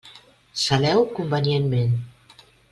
Saleu convenientment.